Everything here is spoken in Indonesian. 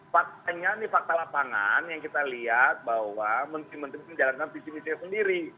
fakta ini fakta lapangan yang kita lihat bahwa menteri menteri menjalankan visi visinya sendiri